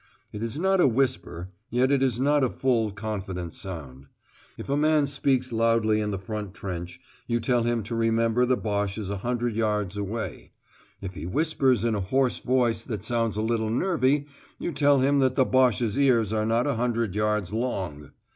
It is not a whisper; yet it is not a full, confident sound. If a man speaks loudly in the front trench, you tell him to remember the Boche is a hundred yards away; if he whispers in a hoarse voice that sounds a little nervy, you tell him that the Boche's ears are not a hundred yards long.